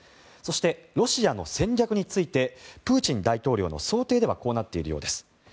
そして、ロシアの戦略についてプーチン大統領の想定ではこうなっているようです。